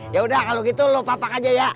yaudah kalau gitu lu papak aja ya